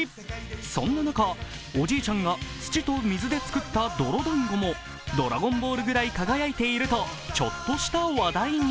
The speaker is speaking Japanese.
そんな中、おじいちゃんが土と水で作った泥ボールもドラゴンボールぐらいに輝いているとちょっとした話題に。